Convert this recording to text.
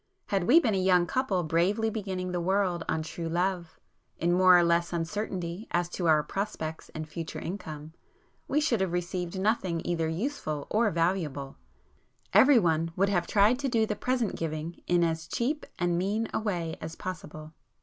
Had we been a young couple bravely beginning the world on true love, in more or less uncertainty as to our prospects and future income, we should have received nothing either useful or valuable,—everyone would have tried to do the present giving in as cheap and mean a way as possible.